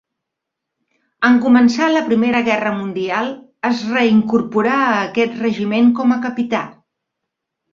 En començar la Primera Guerra Mundial es reincorporà a aquest regiment com a capità.